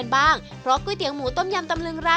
มีวันหยุดเอ่ออาทิตย์ที่สองของเดือนค่ะ